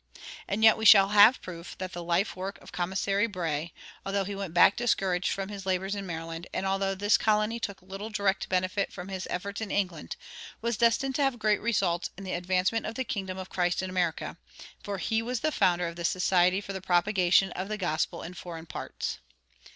And yet we shall have proof that the life work of Commissary Bray, although he went back discouraged from his labors in Maryland and although this colony took little direct benefit from his efforts in England, was destined to have great results in the advancement of the kingdom of Christ in America; for he was the founder of the Society for the Propagation of the Gospel in Foreign Parts.